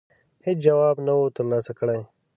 هېڅ جواب نه وو ترلاسه کړی.